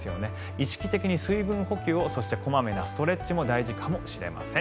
意識的に水分補給をそして、小まめなストレッチも大事かもしれません。